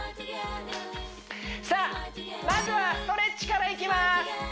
さあまずはストレッチからいきます